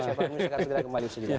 saya akan segera kembali ke situ